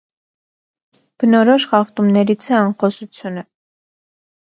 Բնորոշ խախտումներից է անխոսությունը։